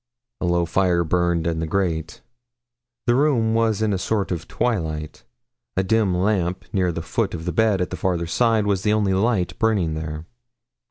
A low fire burned in the grate. The room was in a sort of twilight. A dim lamp near the foot of the bed at the farther side was the only light burning there.